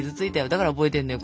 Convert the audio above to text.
だから覚えてんのよ。